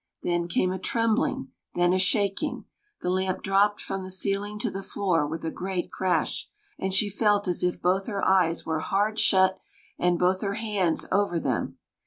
Then came a trembling, then a shaking; the lamp dropped from the ceiling to the floor with a great crash, and she felt as if both her eyes were hard shut and both her hands over them.